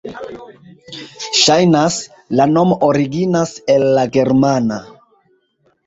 Ŝajnas, la nomo originas el la germana.